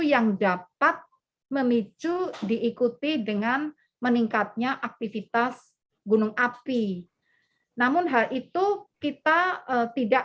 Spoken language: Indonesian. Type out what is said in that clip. yang dapat memicu diikuti dengan meningkatnya aktivitas gunung api namun hal itu kita tidak